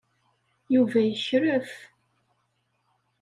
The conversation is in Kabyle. Yuba yekref.